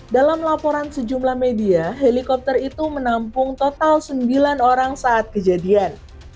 dalam laporan sejumlah media helikopter itu menampung total sembilan orang saat kejadian